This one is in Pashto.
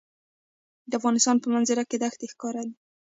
د افغانستان په منظره کې دښتې ښکاره دي.